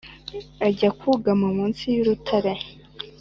ajya kwugama munsi y’urutare,